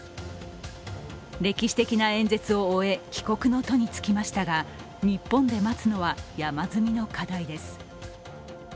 歴史的な演説を終え帰国の途につきましたが日本で待つのは、山積みの課題です